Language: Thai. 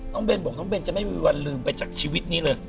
เบนบอกน้องเบนจะไม่มีวันลืมไปจากชีวิตนี้เลย